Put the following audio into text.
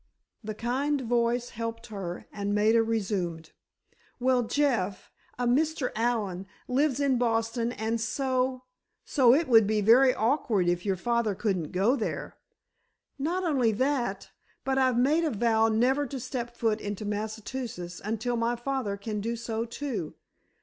The kind voice helped her and Maida resumed: "Well, Jeff—Mr. Allen, lives in Boston, and so——" "So it would be very awkward if your father couldn't go there." "Not only that—but I've made a vow never to step foot into Massachusetts until my father can do so, too.